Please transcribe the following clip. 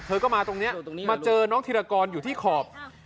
เธอก็มาตรงนี้มาเจอน้องธีรกรอยู่ที่ขอบ